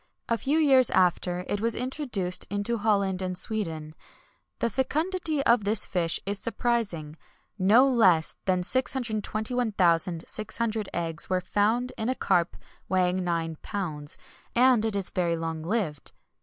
A few years after, it was introduced into Holland and Sweden. The fecundity of this fish is surprising; no less than 621,600 eggs were found in a carp weighing nine pounds; and it is very long lived.